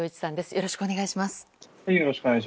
よろしくお願いします。